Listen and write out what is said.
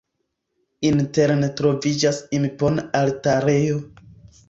Interne troviĝas impona altarejo.